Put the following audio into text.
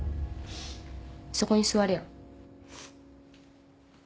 そこに座れよ。